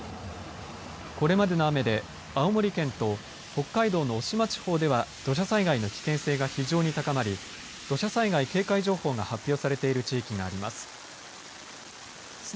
これまでの雨で青森県と北海道の渡島地方では土砂災害の危険性が非常に高まり土砂災害警戒情報が発表されている地域があります。